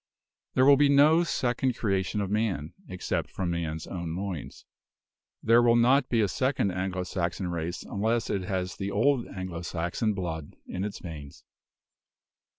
There will be no second creation of man, except from man's own loins. There will not be a second Anglo Saxon race unless it has the old Anglo Saxon blood in its veins.